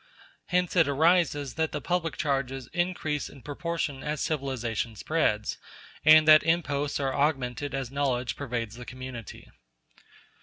Hence it arises that the public charges increase in proportion as civilization spreads, and that imposts are augmented as knowledge pervades the community.